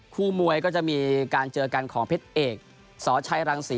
คู่มวยก็จะมีการเจอกันของเพชรเอกสชัยรังศรี